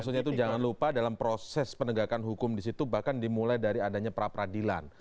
maksudnya itu jangan lupa dalam proses penegakan hukum disitu bahkan dimulai dari adanya pra peradilan